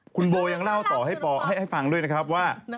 คุณโบยังเล่าข้อให้ฟังด้วยว่า